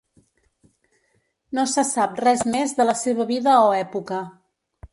No se sap res més de la seva vida o època.